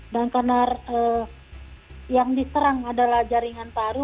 dan karena yang diserang adalah jaringan paru